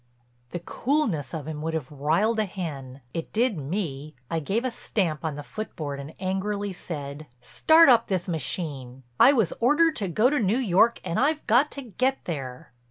The coolness of him would have riled a hen. It did me; I gave a stamp on the footboard and angrily said: "Start up this machine. I was ordered to go to New York and I've got to get there."